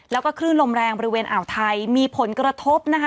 แล้วก็ครื่นลมแรงอาวไทยมีผลกระทบนะคะ